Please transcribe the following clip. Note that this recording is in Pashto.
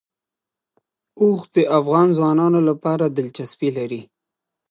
اوښ د افغان ځوانانو لپاره دلچسپي لري.